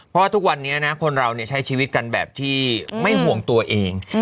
เพราะทุกวันนี้นะคนเราใช้ชีวิตกันแบบที่ไม่ห่วงตัวเอง